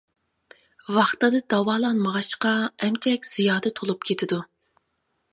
ۋاقتىدا داۋالانمىغاچقا ئەمچەك زىيادە تولۇپ كېتىدۇ.